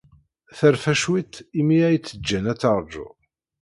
Terfa cwiṭ imi ay tt-jjan ad teṛju.